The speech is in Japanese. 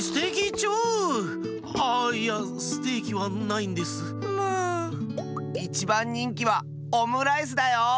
いちばんにんきはオムライスだよ。